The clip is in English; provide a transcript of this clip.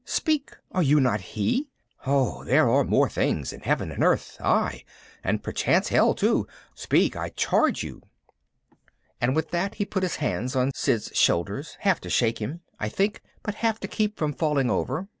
Speak, are you not he? Oh, there are more things in heaven and earth ... aye, and perchance hell too ... Speak, I charge you!" And with that he put his hands on Sid's shoulders, half to shake him, I think, but half to keep from falling over.